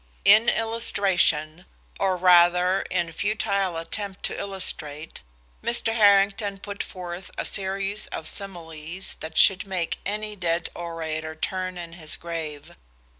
"In illustration or rather, in the futile attempt to illustrate Mr. Harrington put forth a series of similes that should make any dead orator turn in his grave.